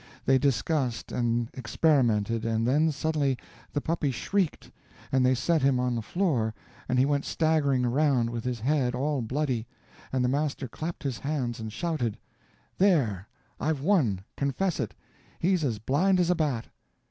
They discussed and experimented, and then suddenly the puppy shrieked, and they set him on the floor, and he went staggering around, with his head all bloody, and the master clapped his hands and shouted: "There, I've won confess it! He's a blind as a bat!"